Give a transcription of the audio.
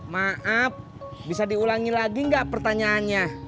maaf bisa diulangi lagi nggak pertanyaannya